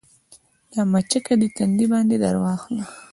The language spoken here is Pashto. دا مچکه دې تندي باندې درواخله